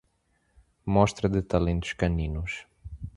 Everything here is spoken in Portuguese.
Mostra de talentos caninos